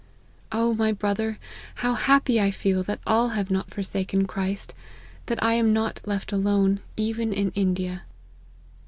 Oh ! my brother ! how happy I feel, that all have not forsaken Christ; that I am not Mi alone even in India.